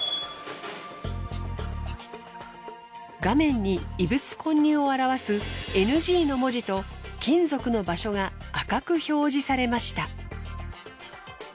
画面に異物混入を表すＮＧの文字と金属の場所が赤く表示されました。